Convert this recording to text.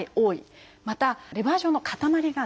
またレバー状の塊が出る。